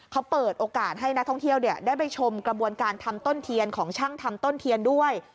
เขาเปิดโอกาสให้นักท่องเที่ยวได้ไปชมกระบวนการทำต้นเทียนของช่างทำต้นเทียนด้วย